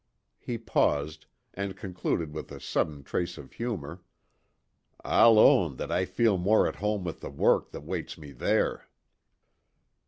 He paused, and concluded with a sudden trace of humour: "I'll own that I feel more at home with the work that waits me there."